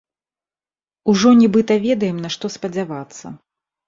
Ужо нібыта ведаем, на што спадзявацца.